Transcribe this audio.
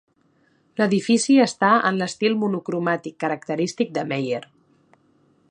L'edifici està en l'estil monocromàtic característic de Meier.